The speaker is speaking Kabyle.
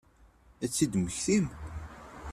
Ad t-id-temmektim?